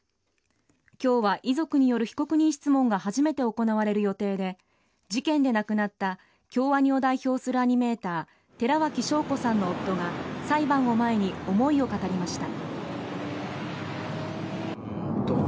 今日は遺族による被告人質問が初めて行われる予定で事件で亡くなった京アニを代表するアニメーター寺脇晶子さんの夫が裁判を前に思いを語りました。